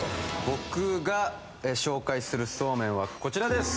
僕が紹介するそうめんはこちらです